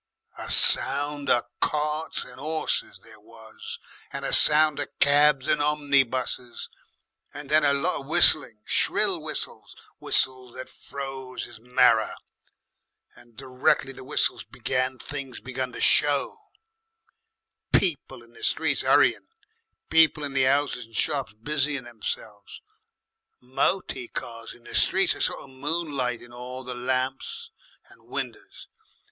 "A sound of carts and 'orses there was, and a sound of cabs and omnibuses, and then a lot of whistling, shrill whistles, whistles that froze 'is marrer. And directly the whistles began things begun to show, people in the streets 'urrying, people in the 'ouses and shops busying themselves, moty cars in the streets, a sort of moonlight in all the lamps and winders.